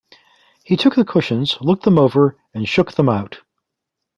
He took the cushions, looked them over and shook them out.